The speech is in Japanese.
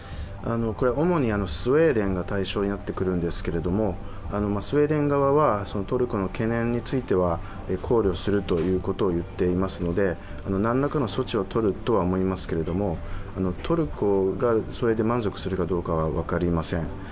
主にスウェーデンが対象になってくるんですけれどスウェーデン側はトルコの懸念については考慮するということを言っていますので、何らかの措置をとるとは思いますけれども、トルコがそれで満足するかどうかは分かりません。